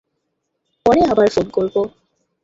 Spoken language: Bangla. পরে আবার ফোন করবো।